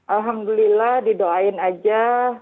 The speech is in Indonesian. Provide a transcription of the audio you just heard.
alhamdulillah didoain aja